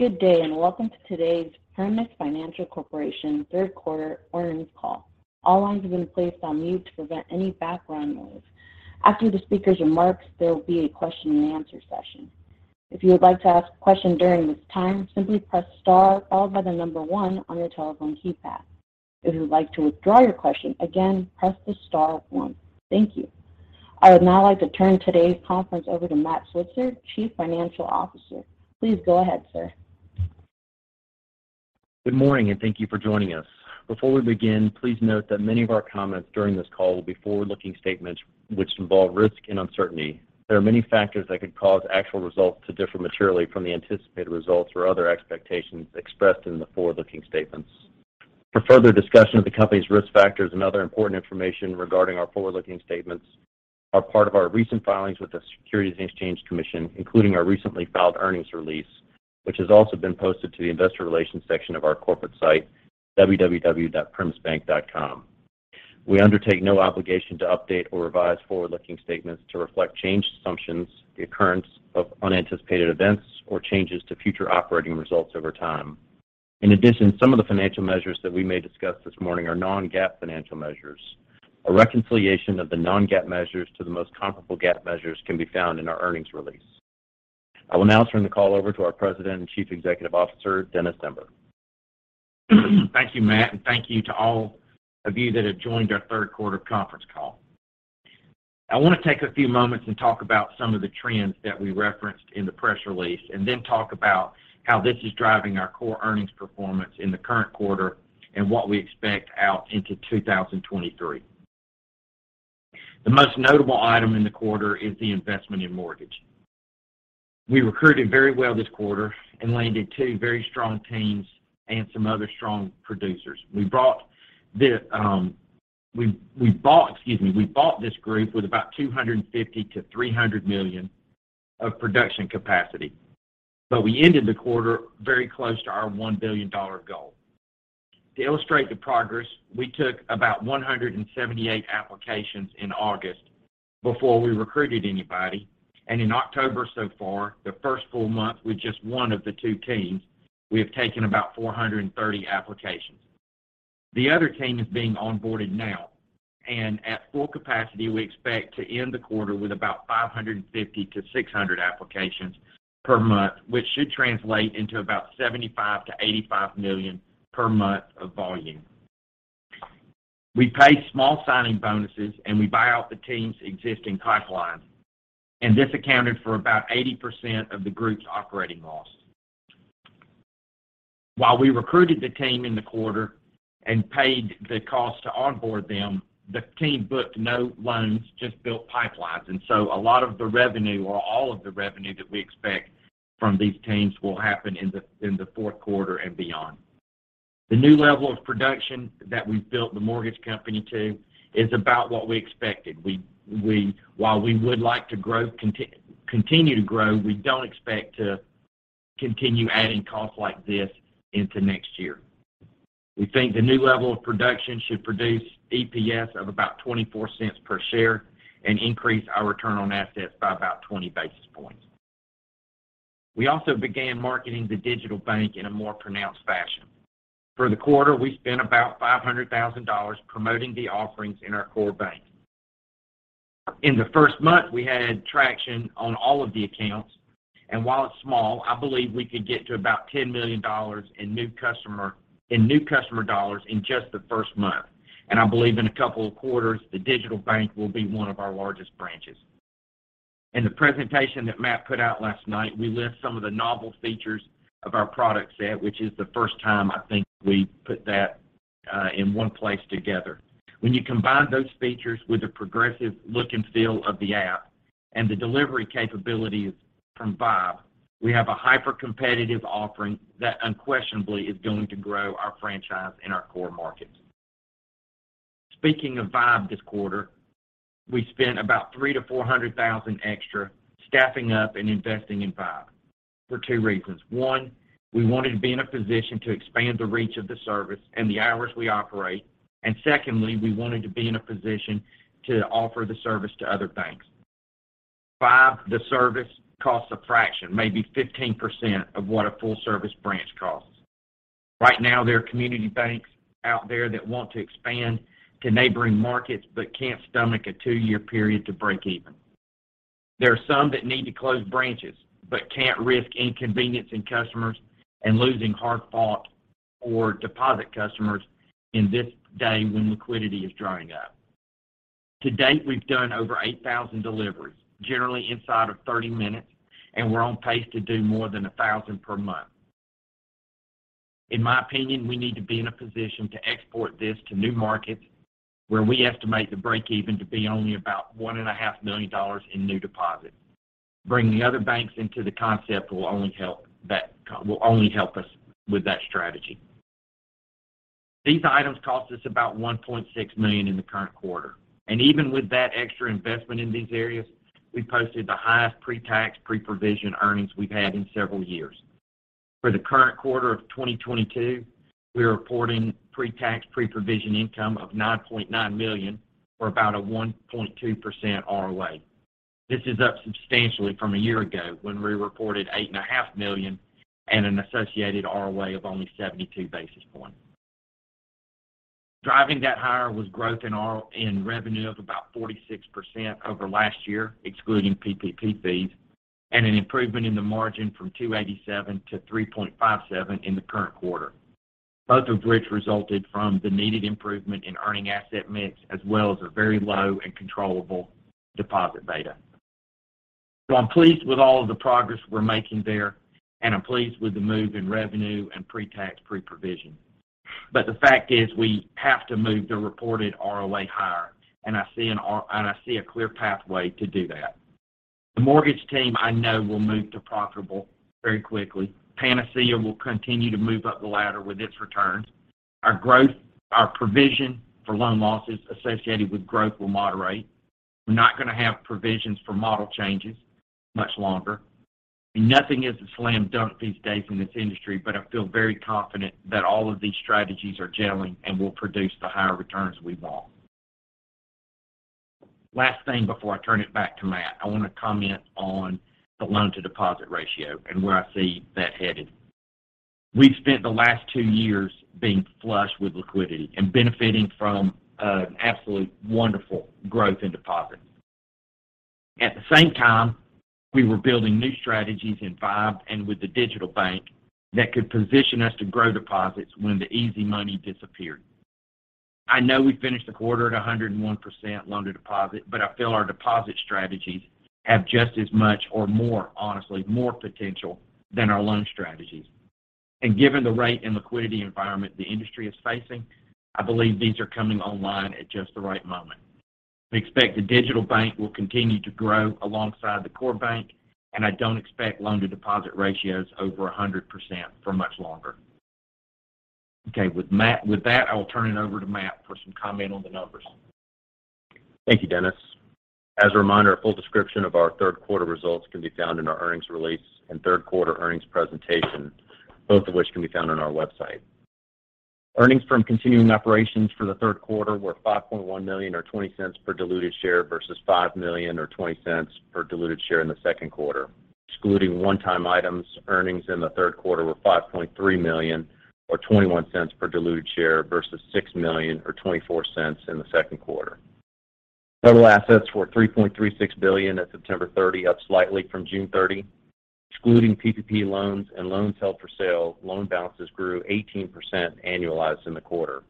Good day, and welcome to today's Primis Financial Corp. third quarter earnings call. All lines have been placed on mute to prevent any background noise. After the speaker's remarks, there will be a question-and-answer session. If you would like to ask a question during this time, simply press star followed by the number one on your telephone keypad. If you'd like to withdraw your question again, press the star one. Thank you. I would now like to turn today's conference over to Matthew Switzer, Chief Financial Officer. Please go ahead, sir. Good morning, and thank you for joining us. Before we begin, please note that many of our comments during this call will be forward-looking statements which involve risk and uncertainty. There are many factors that could cause actual results to differ materially from the anticipated results or other expectations expressed in the forward-looking statements. For further discussion of the company's risk factors and other important information regarding our forward-looking statements, are part of our recent filings with the Securities and Exchange Commission, including our recently filed earnings release, which has also been posted to the investor relations section of our corporate site, www.primisbank.com. We undertake no obligation to update or revise forward-looking statements to reflect changed assumptions, the occurrence of unanticipated events, or changes to future operating results over time. In addition, some of the financial measures that we may discuss this morning are non-GAAP financial measures. A reconciliation of the non-GAAP measures to the most comparable GAAP measures can be found in our earnings release. I will now turn the call over to our President and Chief Executive Officer, Dennis J. Zember Jr. Thank you, Matthew, and thank you to all of you that have joined our third quarter conference call. I want to take a few moments and talk about some of the trends that we referenced in the press release and then talk about how this is driving our core earnings performance in the current quarter and what we expect out into 2023. The most notable item in the quarter is the investment in mortgage. We recruited very well this quarter and landed two very strong teams and some other strong producers. We bought this group with about $250 million-$300 million of production capacity, but we ended the quarter very close to our $1 billion goal. To illustrate the progress, we took about 178 applications in August before we recruited anybody. In October so far, the first full month with just one of the two teams, we have taken about 430 applications. The other team is being onboarded now, and at full capacity, we expect to end the quarter with about 550-600 applications per month, which should translate into about $75 million-$85 million per month of volume. We pay small signing bonuses, and we buy out the team's existing pipeline, and this accounted for about 80% of the group's operating loss. While we recruited the team in the quarter and paid the cost to onboard them, the team booked no loans, just built pipelines, and so a lot of the revenue or all of the revenue that we expect from these teams will happen in the fourth quarter and beyond. The new level of production that we've built the mortgage company to is about what we expected. While we would like to continue to grow, we don't expect to continue adding costs like this into next year. We think the new level of production should produce EPS of about 24 cents per share and increase our return on assets by about 20 basis points. We also began marketing the digital bank in a more pronounced fashion. For the quarter, we spent about $500,000 promoting the offerings in our core bank. In the first month, we had traction on all of the accounts, and while it's small, I believe we could get to about $10 million in new customer dollars in just the first month, and I believe in a couple of quarters, the digital bank will be one of our largest branches. In the presentation that Matthew put out last night, we list some of the novel features of our product set, which is the first time I think we put that in one place together. When you combine those features with the progressive look and feel of the app and the delivery capabilities from V1BE we have a hyper-competitive offering that unquestionably is going to grow our franchise in our core markets. Speaking of V1BE this quarter, we spent about $300,000-$400,000 extra staffing up and investing in V1BE for two reasons. One, we wanted to be in a position to expand the reach of the service and the hours we operate. Secondly, we wanted to be in a position to offer the service to other banks. V1BE, the service, costs a fraction, maybe 15% of what a full-service branch costs. Right now, there are community banks out there that want to expand to neighboring markets but can't stomach a two-year period to break even. There are some that need to close branches but can't risk inconveniencing customers and losing hard-fought for deposit customers in this day when liquidity is drying up. To date, we've done over 8,000 deliveries, generally inside of 30 minutes, and we're on pace to do more than 1,000 per month. In my opinion, we need to be in a position to export this to new markets where we estimate the break even to be only about $1.5 million in new deposits. Bringing other banks into the concept will only help us with that strategy. These items cost us about $1.6 million in the current quarter. Even with that extra investment in these areas, we posted the highest pre-tax pre-provision earnings we've had in several years. For the current quarter of 2022, we are reporting pre-tax pre-provision income of $9.9 million or about a 1.2% ROA. This is up substantially from a year ago when we reported $8.5 million and an associated ROA of only 72 basis points. Driving that higher was growth in revenue of about 46% over last year, excluding PPP fees, and an improvement in the margin from 2.87 to 3.57 in the current quarter, both of which resulted from the needed improvement in earning asset mix as well as a very low and controllable deposit beta. I'm pleased with all of the progress we're making there, and I'm pleased with the move in revenue and pre-tax pre-provision. The fact is we have to move the reported ROA higher, and I see a clear pathway to do that. The mortgage team I know will move to profitable very quickly. Panacea will continue to move up the ladder with its returns. Our provision for loan losses associated with growth will moderate. We're not going to have provisions for model changes much longer. Nothing is a slam dunk these days in this industry, but I feel very confident that all of these strategies are gelling and will produce the higher returns we want. Last thing before I turn it back to Matthew, I want to comment on the loan to deposit ratio and where I see that headed. We've spent the last two years being flush with liquidity and benefiting from absolute wonderful growth in deposits. At the same time, we were building new strategies in V1BE and with the digital bank that could position us to grow deposits when the easy money disappeared. I know we finished the quarter at 101% loan to deposit, but I feel our deposit strategies have just as much or more, honestly, more potential than our loan strategies. Given the rate and liquidity environment the industry is facing, I believe these are coming online at just the right moment. We expect the digital bank will continue to grow alongside the core bank, and I don't expect loan to deposit ratios over 100% for much longer. Okay. With that, I will turn it over to Matthew for some comment on the numbers. Thank you, Dennis. As a reminder, a full description of our third quarter results can be found in our earnings release and third quarter earnings presentation, both of which can be found on our website. Earnings from continuing operations for the third quarter were $5.1 million or $0.20 per diluted share versus $5 million or $0.20 per diluted share in the second quarter. Excluding one-time items, earnings in the third quarter were $5.3 million or $0.21 per diluted share versus $6 million or $0.24 in the second quarter. Total assets were $3.36 billion at September 30, up slightly from June 30. Excluding PPP loans and loans held for sale, loan balances grew 18% annualized in the quarter.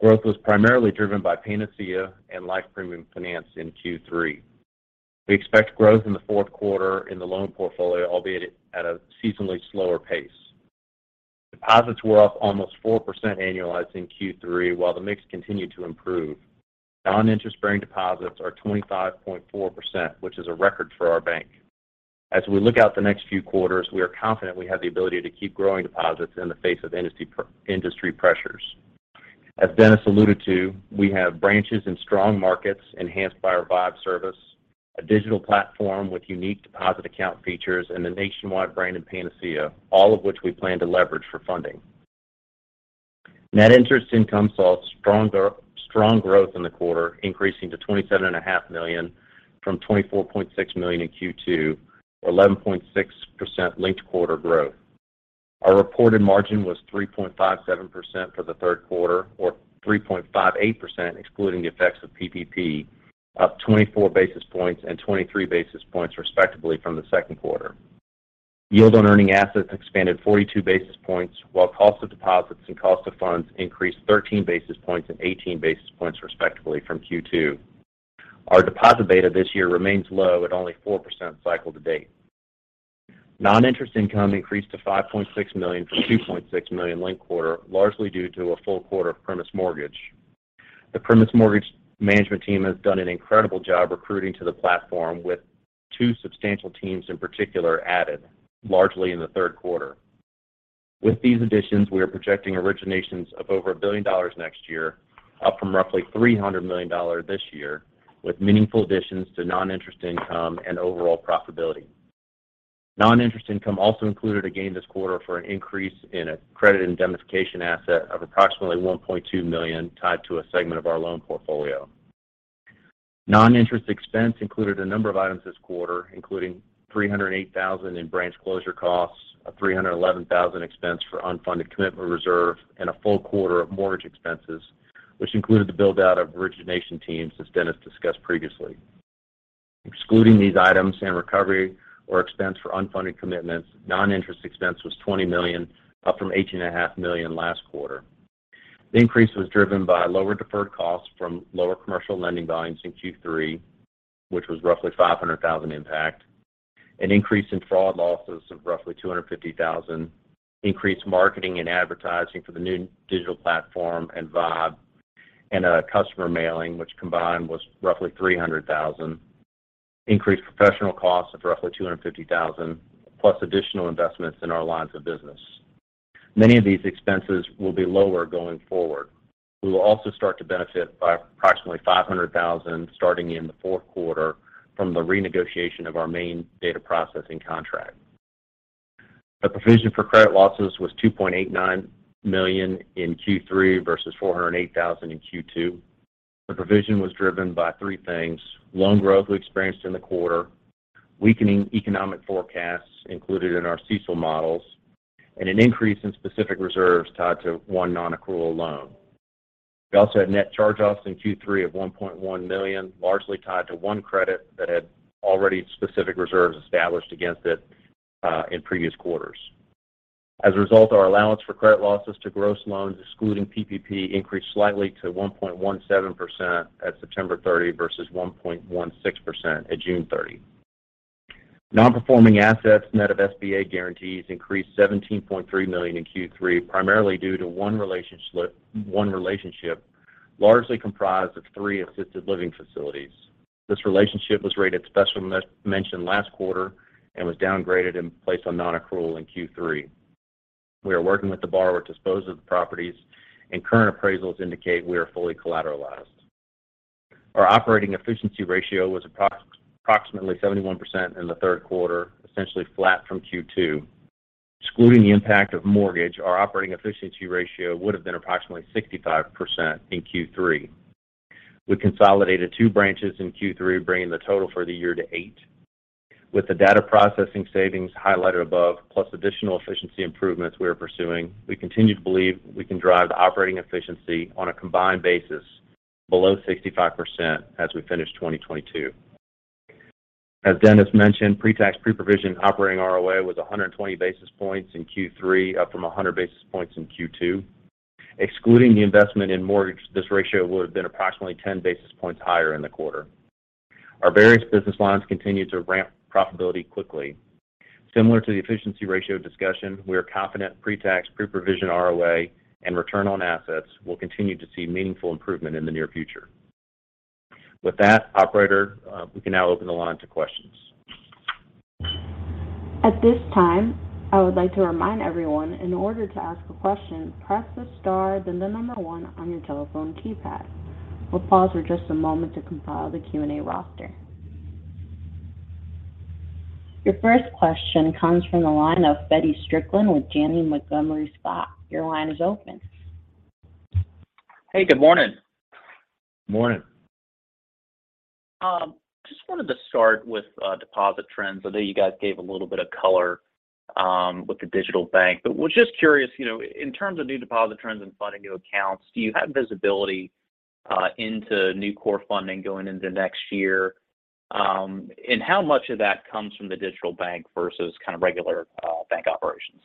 Growth was primarily driven by Panacea and Life Premium Finance in Q3. We expect growth in the fourth quarter in the loan portfolio, albeit at a seasonally slower pace. Deposits were up almost 4% annualized in Q3, while the mix continued to improve. Non-interest bearing deposits are 25.4%, which is a record for our bank. As we look out the next few quarters, we are confident we have the ability to keep growing deposits in the face of industry pressures. As Dennis alluded to, we have branches in strong markets enhanced by our V1BE service, a digital platform with unique deposit account features, and the nationwide brand in Panacea Financial, all of which we plan to leverage for funding. Net interest income saw strong growth in the quarter, increasing to $27.5 million from $24.6 million in Q2, or 11.6% linked-quarter growth. Our reported margin was 3.57% for the third quarter or 3.58% excluding the effects of PPP, up 24 basis points and 23 basis points, respectively, from the second quarter. Yield on earning assets expanded 42 basis points, while cost of deposits and cost of funds increased 13 basis points and 18 basis points, respectively, from Q2. Our deposit beta this year remains low at only 4% cycle to date. Non-interest income increased to $5.6 million from $2.6 million linked quarter, largely due to a full quarter of Primis Mortgage. The Primis Mortgage management team has done an incredible job recruiting to the platform with two substantial teams in particular added largely in the third quarter. With these additions, we are projecting originations of over $1 billion next year, up from roughly $300 million this year, with meaningful additions to non-interest income and overall profitability. Non-interest income also included a gain this quarter for an increase in a credit indemnification asset of approximately $1.2 million tied to a segment of our loan portfolio. Non-interest expense included a number of items this quarter, including $308,000 in branch closure costs, a $311,000 expense for unfunded commitment reserve, and a full quarter of mortgage expenses, which included the build-out of origination teams, as Dennis discussed previously. Excluding these items and recovery or expense for unfunded commitments, non-interest expense was $20 million, up from $18.5 million last quarter. The increase was driven by lower deferred costs from lower commercial lending volumes in Q3, which was roughly $500 thousand impact, an increase in fraud losses of roughly $250 thousand, increased marketing and advertising for the new digital platform and V1BE, and a customer mailing which combined was roughly $300 thousand, increased professional costs of roughly $250 thousand, plus additional investments in our lines of business. Many of these expenses will be lower going forward. We will also start to benefit by approximately $500 thousand starting in the fourth quarter from the renegotiation of our main data processing contract. The provision for credit losses was $2.89 million in Q3 versus $408 thousand in Q2. The provision was driven by three things, loan growth we experienced in the quarter, weakening economic forecasts included in our CECL models, and an increase in specific reserves tied to one non-accrual loan. We also had net charge-offs in Q3 of $1.1 million, largely tied to one credit that had already specific reserves established against it, in previous quarters. As a result, our allowance for credit losses to gross loans, excluding PPP, increased slightly to 1.17% at September 30 versus 1.16% at June 30. Non-performing assets, net of SBA guarantees, increased $17.3 million in Q3, primarily due to one relationship largely comprised of three assisted living facilities. This relationship was rated special mention last quarter and was downgraded and placed on non-accrual in Q3. We are working with the borrower to dispose of the properties, and current appraisals indicate we are fully collateralized. Our operating efficiency ratio was approximately 71% in the third quarter, essentially flat from Q2. Excluding the impact of mortgage, our operating efficiency ratio would have been approximately 65% in Q3. We consolidated two branches in Q3, bringing the total for the year to eight. With the data processing savings highlighted above, plus additional efficiency improvements we are pursuing, we continue to believe we can drive the operating efficiency on a combined basis below 65% as we finish 2022. As Dennis mentioned, pre-tax, pre-provision operating ROA was 120 basis points in Q3, up from 100 basis points in Q2. Excluding the investment in mortgage, this ratio would have been approximately 10 basis points higher in the quarter. Our various business lines continue to ramp profitability quickly. Similar to the efficiency ratio discussion, we are confident pre-tax pre-provision ROA and return on assets will continue to see meaningful improvement in the near future. With that, operator, we can now open the line to questions. At this time, I would like to remind everyone in order to ask a question, press the star, then the number one on your telephone keypad. We'll pause for just a moment to compile the Q and A roster. Your first question comes from the line of Feddie Strickland with Janney Montgomery Scott. Your line is open. Hey, good morning. Morning. Just wanted to start with deposit trends. I know you guys gave a little bit of color with the digital bank, but was just curious, you know, in terms of new deposit trends and funding new accounts, do you have visibility into new core funding going into next year? And how much of that comes from the digital bank versus kind of regular bank operations?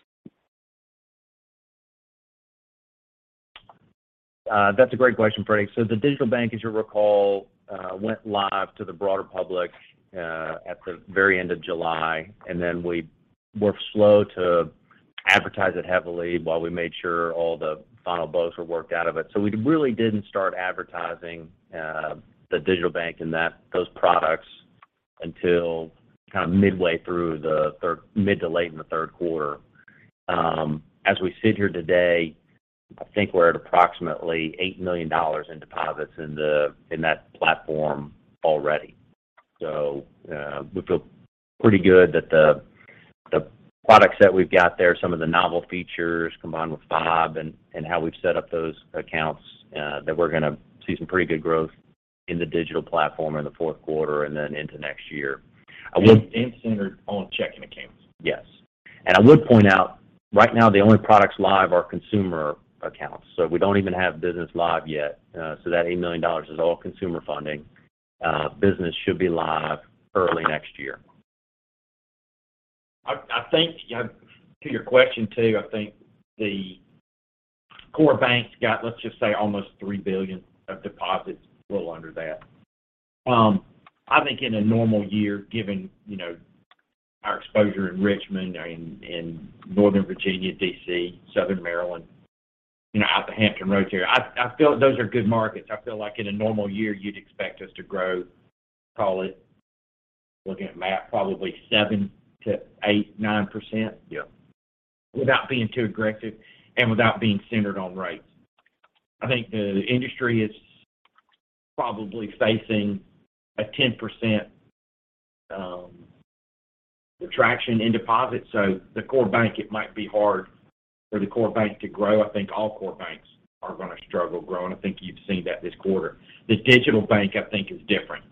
That's a great question, Feddie. The digital bank, as you'll recall, went live to the broader public at the very end of July, and then we were slow to advertise it heavily while we made sure all the final bugs were worked out of it. We really didn't start advertising the digital bank and those products until kind of mid to late in the third quarter. As we sit here today, I think we're at approximately $8 million in deposits in that platform already. We feel pretty good that the products that we've got there, some of the novel features combined with V1BE and how we've set up those accounts, that we're gonna see some pretty good growth in the digital platform in the fourth quarter and then into next year. I would- It's centered on checking accounts? Yes. I would point out right now the only products live are consumer accounts. We don't even have business live yet. That $8 million is all consumer funding. Business should be live early next year. I think to your question, too, I think the core bank's got, let's just say, almost $3 billion of deposits, a little under that. I think in a normal year, given, you know, our exposure in Richmond or in Northern Virginia, D.C., Southern Maryland, you know, in the Hampton Roads area, I feel those are good markets. I feel like in a normal year, you'd expect us to grow, call it, looking at Matthew, probably 7%-9%. Yeah. Without being too aggressive and without being centered on rates. I think the industry is probably facing a 10% contraction in deposits. The core bank, it might be hard for the core bank to grow. I think all core banks are gonna struggle growing. I think you've seen that this quarter. The digital bank, I think, is different.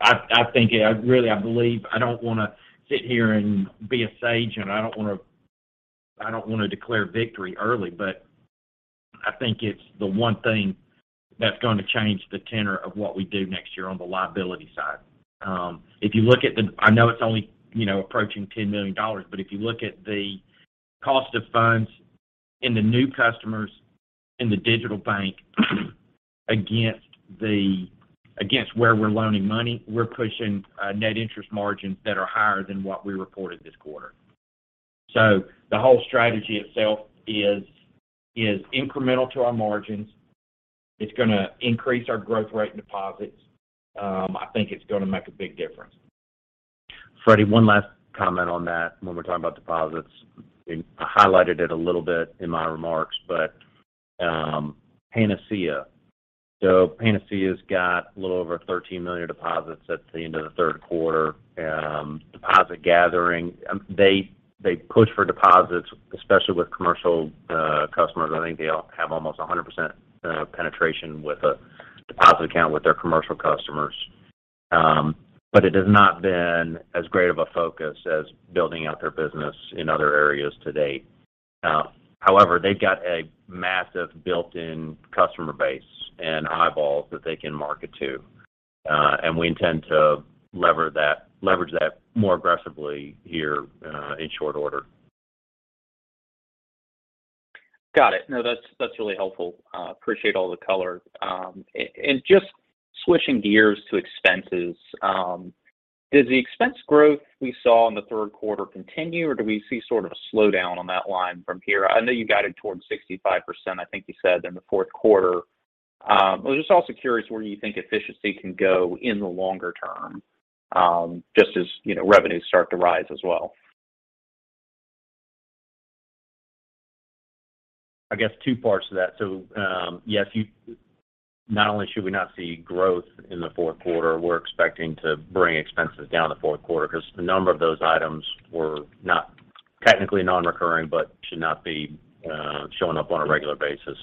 I think it. I really believe I don't want to sit here and be a sage, and I don't want to declare victory early, but I think it's the one thing that's going to change the tenor of what we do next year on the liability side. If you look at the. I know it's only, you know, approaching $10 million, but if you look at the cost of funds in the new customers in the digital bank against where we're loaning money, we're pushing net interest margins that are higher than what we reported this quarter. The whole strategy itself is incremental to our margins. It's gonna increase our growth rate in deposits. I think it's gonna make a big difference. Freddie, one last comment on that when we're talking about deposits. I highlighted it a little bit in my remarks, but Panacea. Panacea's got a little over $13 million deposits at the end of the third quarter. Deposit gathering, they push for deposits, especially with commercial customers. I think they all have almost 100% penetration with a deposit account with their commercial customers. It has not been as great of a focus as building out their business in other areas to date. However, they've got a massive built-in customer base and eyeballs that they can market to. We intend to leverage that more aggressively here in short order. Got it. No, that's really helpful. Appreciate all the color. Just switching gears to expenses, does the expense growth we saw in the third quarter continue, or do we see sort of a slowdown on that line from here? I know you guided towards 65%, I think you said, in the fourth quarter. I was just also curious where you think efficiency can go in the longer term, just as, you know, revenues start to rise as well. I guess two parts to that. Not only should we not see growth in the fourth quarter, we're expecting to bring expenses down in the fourth quarter because a number of those items were not technically non-recurring, but should not be showing up on a regular basis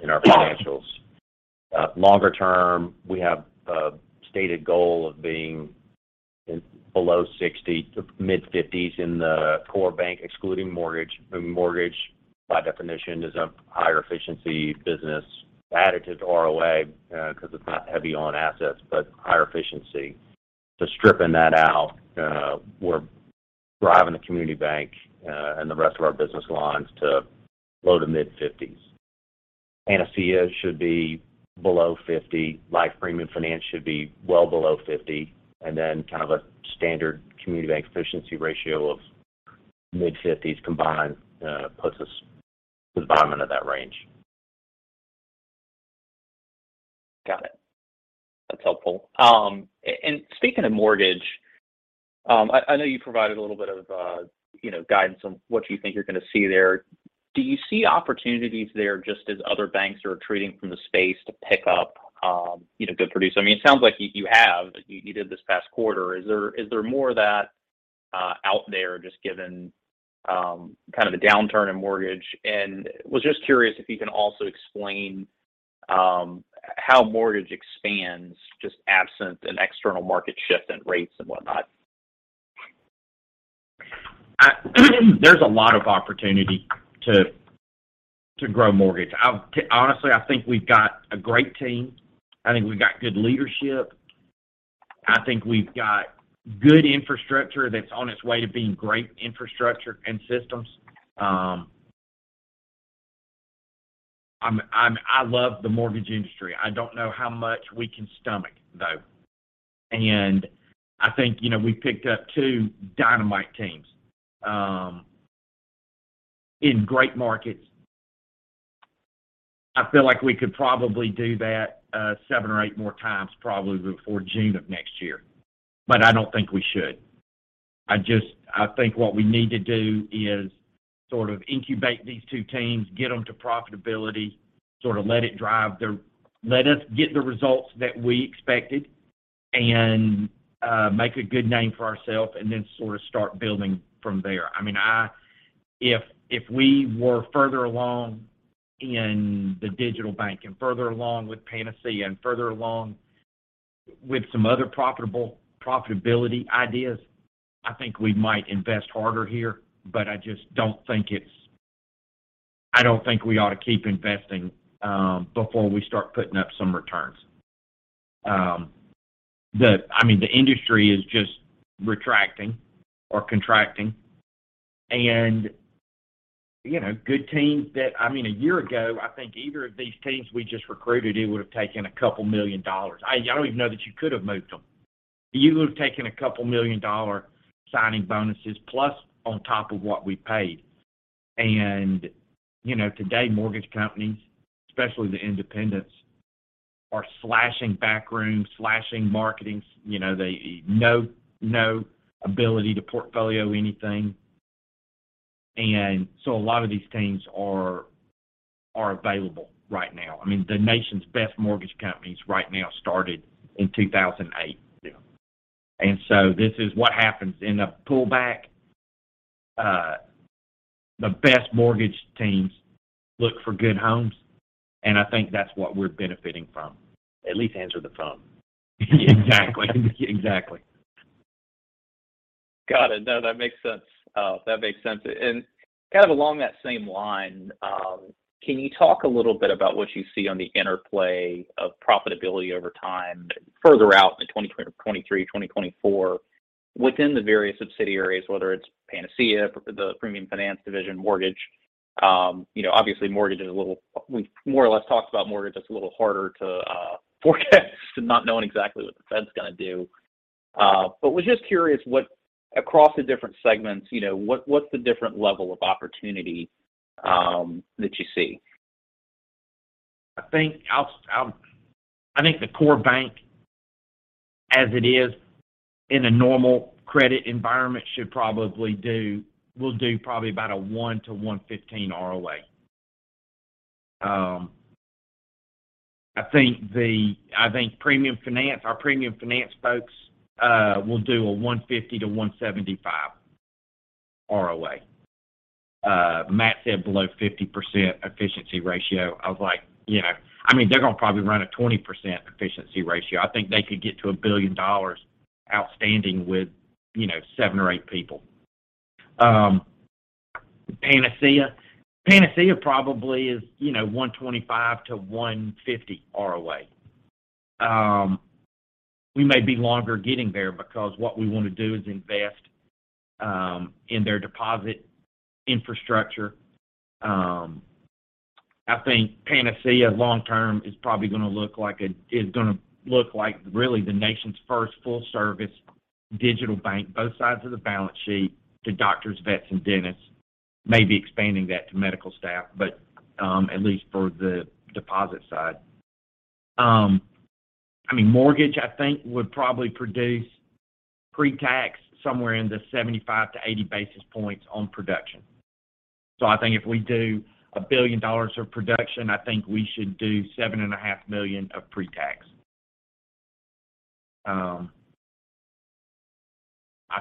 in our financials. Longer term, we have a stated goal of being below 60% to mid-50s% in the core bank, excluding mortgage. Mortgage, by definition, is a higher efficiency business. Add it to ROA because it's not heavy on assets, but higher efficiency. Stripping that out, we're driving the community bank and the rest of our business lines to low- to mid-50s%. Panacea should be below 50%. Life Premium Finance should be well below 50%. Kind of a standard community bank efficiency ratio of mid-50s% combined puts us to the bottom end of that range. Got it. That's helpful. And speaking of mortgage, I know you provided a little bit of, you know, guidance on what you think you're going to see there. Do you see opportunities there just as other banks are retreating from the space to pick up, you know, good producer? I mean, it sounds like you have. You did this past quarter. Is there more of that out there just given, kind of the downturn in mortgage? Was just curious if you can also explain how mortgage expands just absent an external market shift in rates and whatnot. There's a lot of opportunity to grow mortgage. Honestly, I think we've got a great team. I think we've got good leadership. I think we've got good infrastructure that's on its way to being great infrastructure and systems. I'm I love the mortgage industry. I don't know how much we can stomach, though. I think, you know, we picked up two dynamite teams in great markets. I feel like we could probably do that seven or eight more times probably before June of next year. I don't think we should. I think what we need to do is sort of incubate these two teams, get them to profitability, sort of let us get the results that we expected and make a good name for ourselves, and then sort of start building from there. I mean, if we were further along in the digital bank and further along with Panacea and further along with some other profitability ideas, I think we might invest harder here. I just don't think it's. I don't think we ought to keep investing before we start putting up some returns. I mean, the industry is just retrenching or contracting. You know, good teams. I mean, a year ago, I think either of these teams we just recruited, it would have taken $2 million. I don't even know if you could have moved them. It would have taken $2 million signing bonuses plus on top of what we paid. You know, today, mortgage companies, especially the independents, are slashing back rooms, slashing marketing. You know, they no ability to portfolio anything. A lot of these teams are available right now. I mean, the nation's best mortgage companies right now started in 2008. This is what happens in a pullback. The best mortgage teams look for good homes, and I think that's what we're benefiting from. At least answer the phone. Exactly. Exactly. Got it. No, that makes sense. That makes sense. Kind of along that same line, can you talk a little bit about what you see on the interplay of profitability over time further out in 2023, 2024 within the various subsidiaries, whether it's Panacea, the premium finance division, mortgage? You know, obviously, mortgage is a little, we've more or less talked about mortgage. It's a little harder to forecast not knowing exactly what the Fed's going to do. Was just curious across the different segments, you know, what's the different level of opportunity that you see? I think the core bank as it is in a normal credit environment will do probably about a 1%-1.15% ROA. I think Premium Finance, our Premium Finance folks, will do a 1.50%-1.75% ROA. Matt said below 50% efficiency ratio. I was like, you know, I mean, they're gonna probably run a 20% efficiency ratio. I think they could get to $1 billion outstanding with, you know, seven or eight people. Panacea probably is, you know, 1.25%-1.50% ROA. We may be longer getting there because what we want to do is invest in their deposit infrastructure. I think Panacea long term is probably gonna look like really the nation's first full service digital bank, both sides of the balance sheet to doctors, vets and dentists, maybe expanding that to medical staff. At least for the deposit side. I mean, mortgage, I think, would probably produce pre-tax somewhere in the 75-80 basis points on production. I think if we do $1 billion of production, I think we should do $7.5 million of pre-tax. I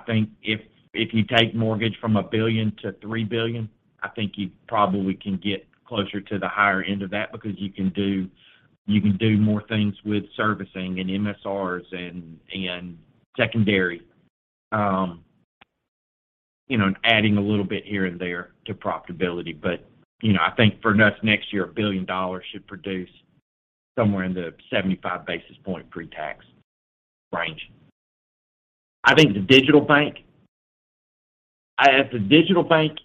think if you take mortgage from $1 billion to $3 billion, I think you probably can get closer to the higher end of that because you can do more things with servicing and MSRs and secondary, you know, and adding a little bit here and there to profitability. You know, I think for us next year, $1 billion should produce somewhere in the 75 basis points pre-tax range. I think the digital bank. If the digital bank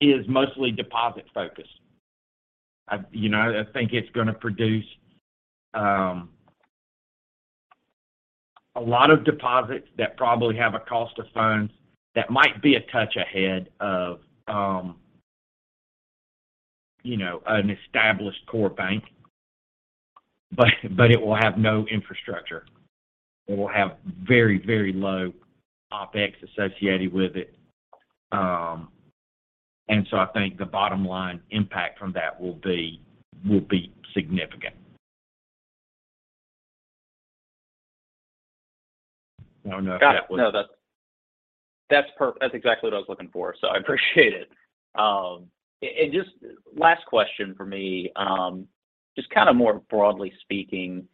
is mostly deposit-focused, you know, I think it's gonna produce a lot of deposits that probably have a cost of funds that might be a touch ahead of, you know, an established core bank. But it will have no infrastructure. It will have very, very low OpEx associated with it. And so I think the bottom line impact from that will be significant. I don't know if that was. Got it. No, that's exactly what I was looking for, so I appreciate it. Just last question from me, just kind of more broadly speaking,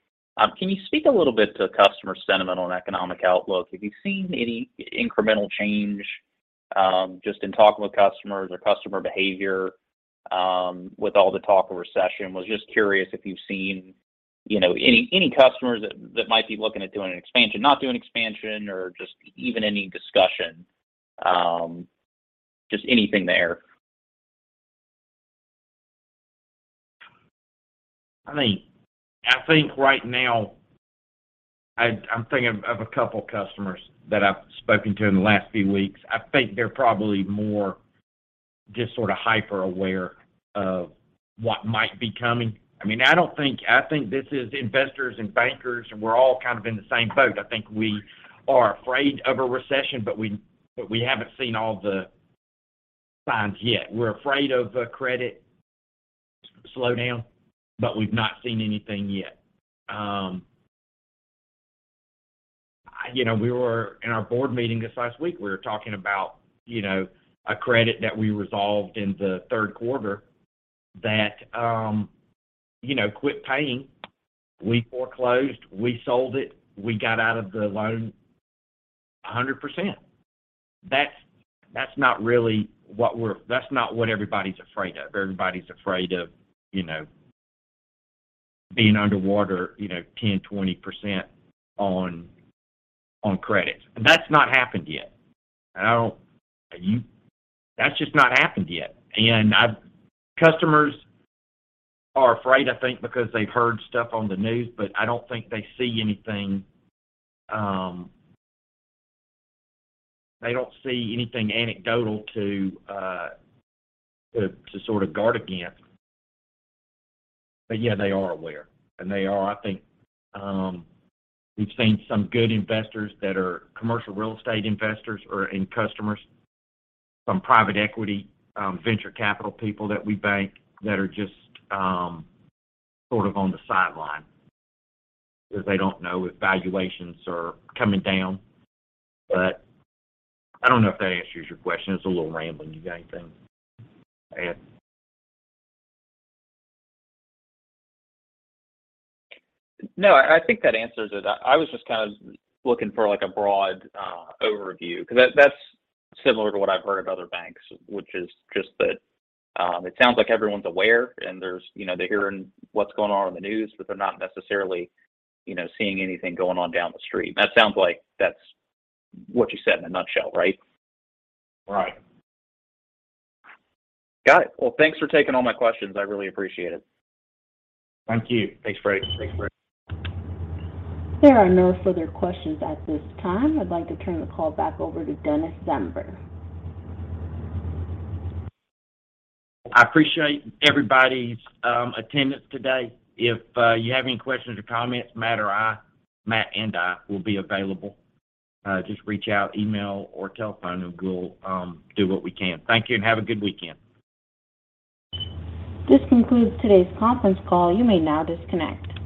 can you speak a little bit to customer sentiment on economic outlook? Have you seen any incremental change, just in talking with customers or customer behavior, with all the talk of recession? I was just curious if you've seen, you know, any customers that might be looking at doing an expansion, not doing expansion or just even any discussion. Just anything there. I think right now, I'm thinking of a couple customers that I've spoken to in the last few weeks. I think they're probably more just sort of hyper-aware of what might be coming. I mean, I think this is investors and bankers, and we're all kind of in the same boat. I think we are afraid of a recession, but we haven't seen all the signs yet. We're afraid of a credit slowdown, but we've not seen anything yet. You know, we were in our board meeting just last week. We were talking about, you know, a credit that we resolved in the third quarter that, you know, quit paying. We foreclosed, we sold it, we got out of the loan 100%. That's not really what everybody's afraid of. Everybody's afraid of, you know, being underwater, you know, 10%-20% on credits. That's not happened yet. That's just not happened yet. Customers are afraid, I think, because they've heard stuff on the news, but I don't think they see anything. They don't see anything anecdotal to sort of guard against. Yeah, they are aware, and they are, I think. We've seen some good investors that are commercial real estate investors or customers, some private equity, venture capital people that we bank that are just sort of on the sideline because they don't know if valuations are coming down. I don't know if that answers your question. It's a little rambling. You got anything to add? No, I think that answers it. I was just kind of looking for like a broad overview because that's similar to what I've heard of other banks, which is just that, it sounds like everyone's aware and there's, you know, they're hearing what's going on in the news, but they're not necessarily, you know, seeing anything going on down the street. That sounds like that's what you said in a nutshell, right? Right. Got it. Well, thanks for taking all my questions. I really appreciate it. Thank you. Thanks, Feddie. There are no further questions at this time. I'd like to turn the call back over to Dennis J. Zember Jr. I appreciate everybody's attendance today. If you have any questions or comments, Matthew and I will be available. Just reach out, email or telephone, and we'll do what we can. Thank you and have a good weekend. This concludes today's conference call. You may now disconnect.